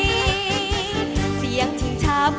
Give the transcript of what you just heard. ก็จะมีความสุขมากกว่าทุกคนค่ะ